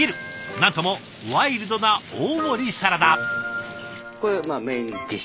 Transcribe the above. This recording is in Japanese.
何ともワイルドな大盛りサラダ。